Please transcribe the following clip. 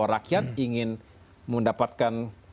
rakyat ingin mendapatkan